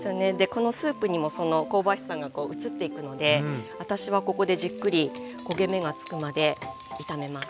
このスープにもその香ばしさが移っていくので私はここでじっくり焦げ目がつくまで炒めます。